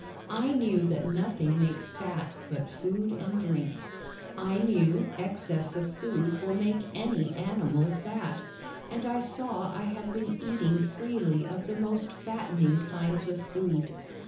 I knew that nothing makes fat but food and drink. I knew excess of food will make any animal fat and I saw I had been eating freely of the most fattening kinds of food.